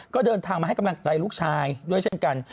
ก็เดินทางมาให้กำลังใจลูกชายด้วยเช่นกัน